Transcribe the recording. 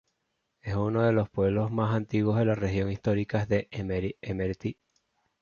Es uno de los pueblos más antiguos de la región histórica de Imereti.